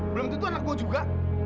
belum tentu anak gue juga